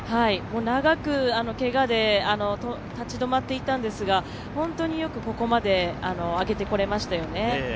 長くけがで立ち止まっていたんですが、本当によくここまで上げてこれましたよね。